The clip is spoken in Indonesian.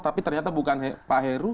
tapi ternyata bukan pak heru